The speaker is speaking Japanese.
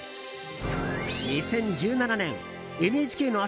２０１７年ＮＨＫの朝